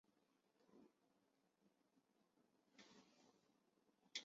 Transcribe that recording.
影片反映出西方幽默与北韩封闭的体制的交流碰撞。